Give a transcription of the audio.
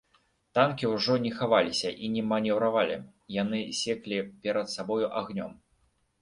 Танкі ўжо не хаваліся і не манеўравалі, яны секлі перад сабою агнём.